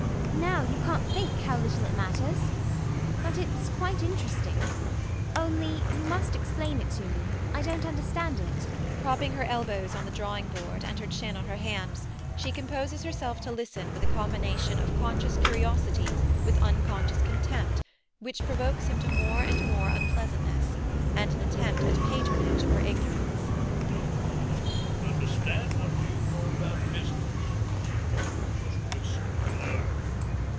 Now! you can't think how little it matters. But it's quite interesting. Only, you must explain it to me. I don't understand it. [Propping her elbows on the drawingboard and her chin on her hands, she composes herself to listen with a combination of conscious curiosity with unconscious contempt which provokes him to more and more unpleasantness, and an attempt at patronage of her ignorance]. MANGAN. Of course you don't understand: what do you know about business? You just listen and learn.